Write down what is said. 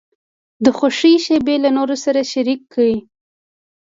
د خوښۍ شیبې له نورو سره شریکې کړه.